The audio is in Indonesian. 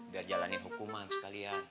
biar jalanin hukuman sekalian